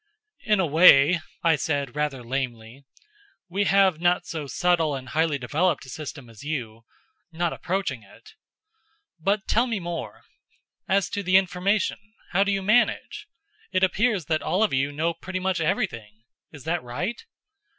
"In a way," I said rather lamely. "We have not so subtle and highly developed a system as you, not approaching it; but tell me more. As to the information how do you manage? It appears that all of you know pretty much everything is that right?"